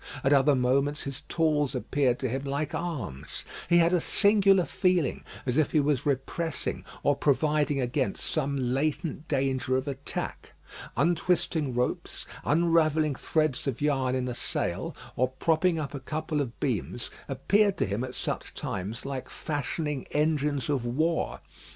At other moments his tools appeared to him like arms. He had a singular feeling, as if he was repressing or providing against some latent danger of attack. Untwisting ropes, unravelling threads of yarn in a sail, or propping up a couple of beams, appeared to him at such times like fashioning engines of war.